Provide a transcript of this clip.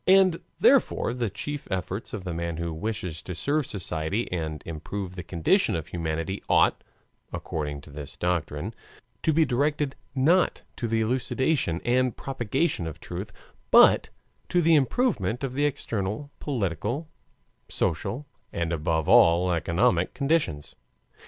And therefore the chief efforts of the man who wishes to serve society and improve the condition of humanity ought, according to this doctrine, to be directed not to the elucidation and propagation of truth, but to the improvement of the external political, social, and above all economic conditions.